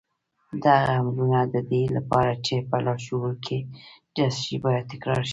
دغه امرونه د دې لپاره چې په لاشعور کې جذب شي بايد تکرار شي.